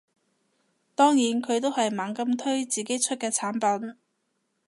當然佢都係猛咁推自己出嘅產品